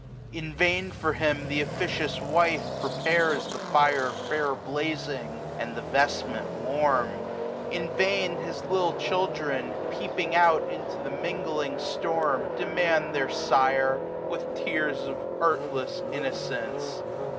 310 In vain for him th* officious wife prepares The fire fair blazing, and the vestment warm ; In vain his little children, peeping out Into the mingling storm, demand their sire. With tears of artless innocence.